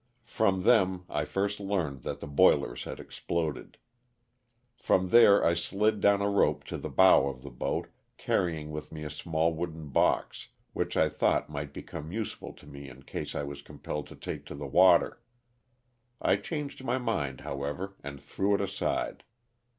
From them I first learned that the boilers had exploded. From there I slid down a rope to the bow of the boat, carrying with me a small wooden box, which I thought might become useful to me in case I was compelled to take to the water. I changed my mind, however, and threw it aside.